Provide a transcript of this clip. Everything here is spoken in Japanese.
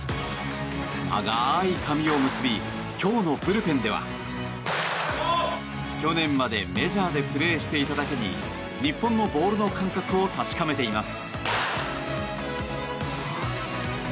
長い髪を結び今日のブルペンでは去年までメジャーでプレーしていただけに日本のボールの感覚を確かめています。